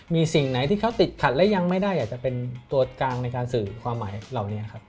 มีสิ่งไหนที่เขาติดขัดและยังไม่ได้อยากจะเป็นตัวกลางในการสื่อความหมายเหล่านี้ครับ